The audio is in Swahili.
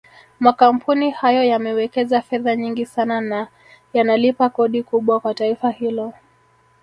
Makampuni hayo yamewekeza fedha nyingi sana na yanalipa kodi kubwa kwa taifa hilo